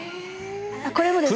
これもです